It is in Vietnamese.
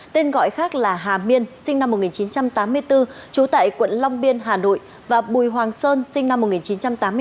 tên gọi khác là hà miên sinh năm một nghìn chín trăm tám mươi bốn trú tại quận long biên hà nội và bùi hoàng sơn sinh năm một nghìn chín trăm tám mươi hai